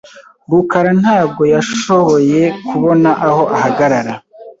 rukara ntabwo yashoboye kubona aho ahagarara .